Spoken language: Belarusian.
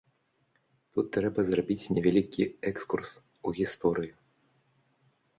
Тут трэба зрабіць невялікі экскурс у гісторыю.